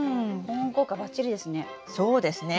保温効果ばっちりですね。